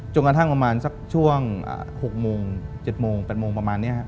กระทั่งประมาณสักช่วง๖โมง๗โมง๘โมงประมาณนี้ครับ